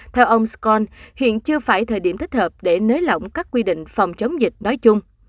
theo ông scon hiện chưa phải thời điểm thích hợp để nới lỏng các quy định phòng chống dịch nói chung